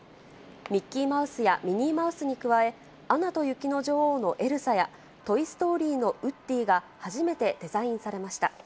ミッキーマウスやミニーマウスに加え、アナと雪の女王のエルサや、トイ・ストーリーのウッディが初めてデザインされました。